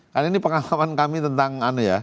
karena ini pengalaman kami tentang